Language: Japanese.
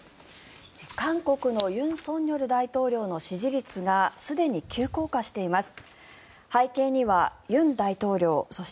韓国の尹錫悦大統領の支持率がすでに急降下しています。